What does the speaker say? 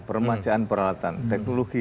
peremanjaan peralatan teknologi